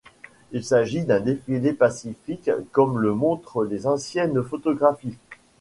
Il s'agit d'un défilé pacifique comme le montrent les anciennes photographies.